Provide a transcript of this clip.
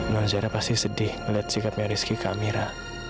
noljara pasti sedih melihat sikapnya rizky ke amira